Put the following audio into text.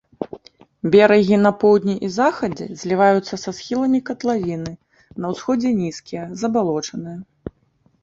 Берагі на поўдні і захадзе зліваюцца са схіламі катлавіны, на ўсходзе нізкія, забалочаныя.